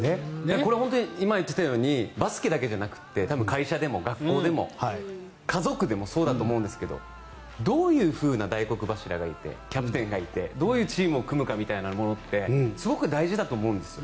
今、言っていたようにバスケだけじゃなくて会社でも学校でも家族でもそうだと思うんですけどどういう大黒柱がいてキャプテンがいてどういうチームを組むかみたいなものってすごく大事だと思うんです。